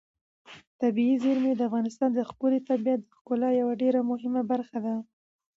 طبیعي زیرمې د افغانستان د ښكلي طبیعت د ښکلا یوه ډېره مهمه برخه ده.